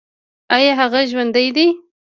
ایا هغه ژوندی دی؟